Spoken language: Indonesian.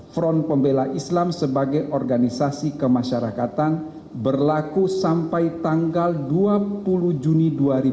front pembela islam sebagai organisasi kemasyarakatan berlaku sampai tanggal dua puluh juni dua ribu dua puluh